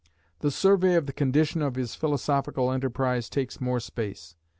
The survey of the condition of his philosophical enterprise takes more space.